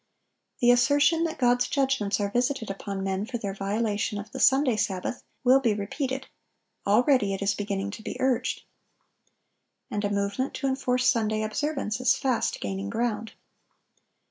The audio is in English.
The assertion that God's judgments are visited upon men for their violation of the Sunday sabbath, will be repeated; already it is beginning to be urged. And a movement to enforce Sunday observance is fast gaining ground.